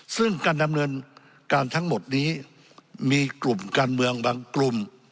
ซึ่งการดำเนินการทั้งหมดนี้มีกลุ่มการเมืองบางกลุ่ม